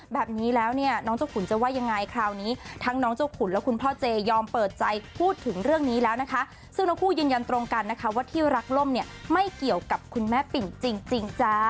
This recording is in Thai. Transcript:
แบบนี้แล้วเนี่ยน้องเจ้าขุนจะว่ายังไงคราวนี้ทั้งน้องเจ้าขุนและคุณพ่อเจยอมเปิดใจพูดถึงเรื่องนี้แล้วนะคะซึ่งทั้งคู่ยืนยันตรงกันนะคะว่าที่รักล่มเนี่ยไม่เกี่ยวกับคุณแม่ปิ่นจริงจ้า